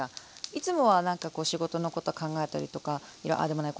いつもはなんかこう仕事のこと考えたりとかああでもない